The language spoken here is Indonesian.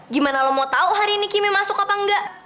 gimana lo mau tahu hari ini kimi masuk apa enggak